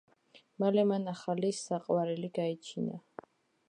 მალე მან ახალი საყვარელი გაიჩინა.